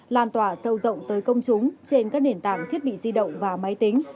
lan tỏa sâu rộng tới công chúng trên các nền tảng thiết bị di động và máy tính